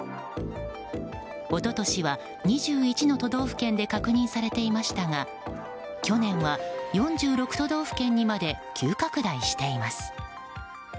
一昨年は２１の都道府県で確認されていましたが去年は４６都道府県にまで急拡大しています。